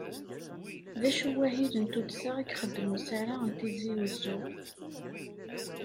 D acu-t wahil n tuddsa i ixeddem usarra n Tizi Uzzu?